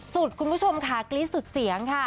คุณผู้ชมค่ะกรี๊ดสุดเสียงค่ะ